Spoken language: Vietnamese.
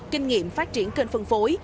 kinh nghiệm phát triển kênh phân phối